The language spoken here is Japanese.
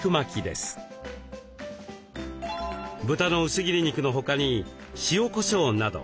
豚の薄切り肉の他に塩こしょうなど。